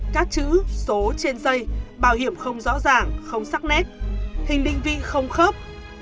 các chữ số trên dây bảo hiểm không rõ ràng không sắc nét hình định vị không khớp